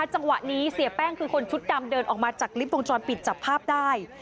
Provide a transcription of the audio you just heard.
จังหวะนี้เสียแป้งคือคนชุดดำเดินออกมาจากลิฟต์วงจรปิดจับภาพได้